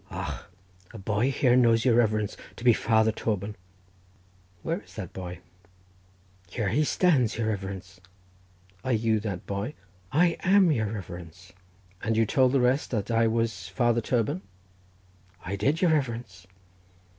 "Och, a boy here knows your reverence to be Father Toban." "Where is that boy?" "Here he stands, your reverence." "Are you that boy?" "I am, your reverence." "And you told the rest that I was Father Toban?" "I did, your reverence."